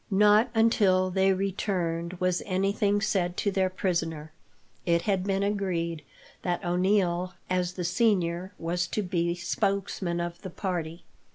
Not until they returned was anything said to their prisoner. It had been agreed that O'Neil, as the senior, was to be spokesman of the party.